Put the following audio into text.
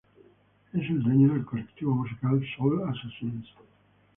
Es el dueño del colectivo musical Soul Assassins.